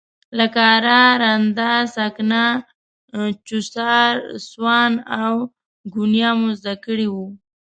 لکه اره، رنده، سکنه، چوسار، سوان او ګونیا مو زده کړي وو.